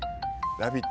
『ラヴィット！』